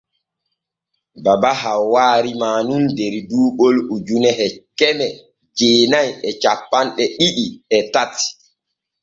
Baba Hawwa rimaa nun der duuɓol ujune e keme jeenay e cappanɗe ɗiɗi e tati.